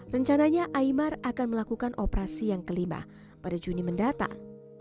rencananya imar akan melakukan operasi yang kelima pada juni mendatang